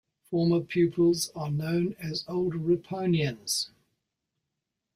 Former pupils are known as Old Riponians.